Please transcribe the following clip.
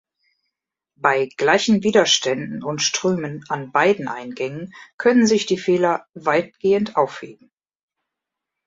Bei gleichen Widerständen und Strömen an beiden Eingängen können sich die Fehler weitgehend aufheben.